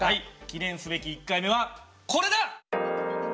記念すべき１回目はこれだ！